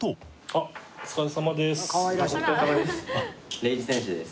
お疲れさまです。